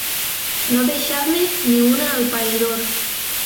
No deixar-ne ni una al païdor.